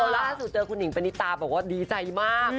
ล่าสุดเจอคุณหิงปณิตาบอกว่าดีใจมาก